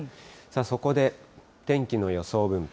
そこで天気の予想分布。